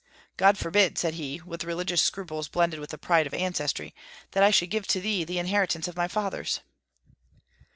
"God forbid," said he, with religious scruples blended with the pride of ancestry, "that I should give to thee the inheritance of my fathers."